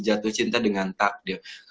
jatuh cinta dengan takdir